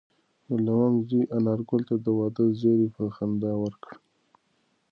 د لونګ زوی انارګل ته د واده زېری په خندا ورکړ.